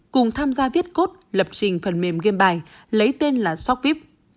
cùng tham gia viết cốt lập trình phần mềm game bài lấy tên là shopfip